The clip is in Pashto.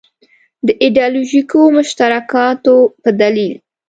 د ایدیالوژیکو مشترکاتو په دلیل.